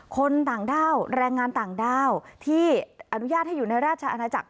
คนต่างด้าวแรงงานต่างด้าวที่อนุญาตให้อยู่ในราชอาณาจักร